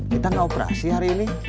kita nggak operasi hari ini